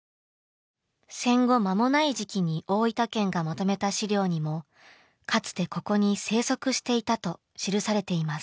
戦後間もない時期に大分県がまとめた資料にもかつてここに生息していたと記されています。